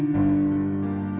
favorit daripada saya